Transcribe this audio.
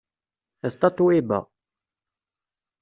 D Tatoeba.